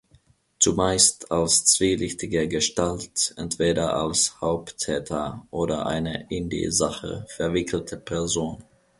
Zumeist als zwielichtige Gestalt, entweder als Haupttäter oder eine in die Sache verwickelte Person.